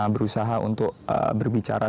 berusaha untuk berbicara